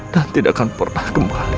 dan tidak akan pernah kembali